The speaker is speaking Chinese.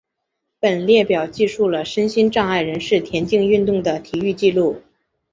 本列表记述了身心障碍人士田径运动的体育纪录。